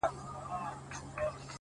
• له بهرامه ښادي حرامه ,